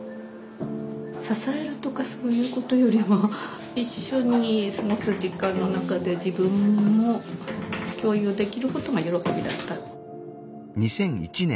支えるとかそういうことよりも一緒に過ごす時間の中で自分も共有できることが喜びだった。